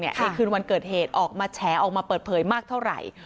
ในคืนวันเกิดเหตุออกมาแฉออกมาเปิดเผยมากเท่าไหร่